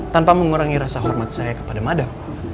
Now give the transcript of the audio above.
tanpa mengurangi rasa hormat saya kepada mada